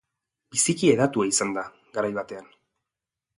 Biziki hedatua izan da garai batean.